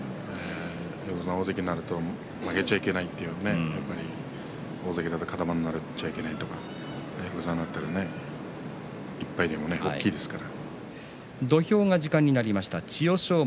横綱、大関なると負けちゃいけないという大関だからカド番になっちゃいけないとか横綱だと大きいですから。